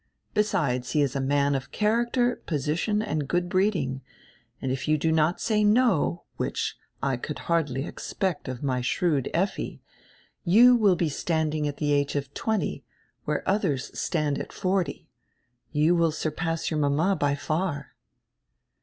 Besides, he is a man of char acter, position, and good breeding, and if you do not say 'no,' which I could hardly expect of my shrewd Effi, you will be standing at the age of twenty where others stand at forty. You will surpass your mama by far."